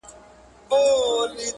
زما د خيال د فلسفې شاعره ~